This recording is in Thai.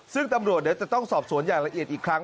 ซึ่งตำรวจเดี๋ยวจะต้องสอบสวนอย่างละเอียดอีกครั้ง